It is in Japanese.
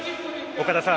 岡田さん